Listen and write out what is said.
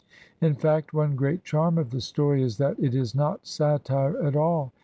In fact, one great charm of the story is that it is not satire at all.